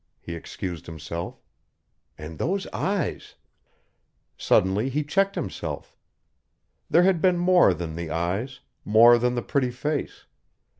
he excused himself. "And those eyes " Suddenly he checked himself. There had been more than the eyes; more than the pretty face!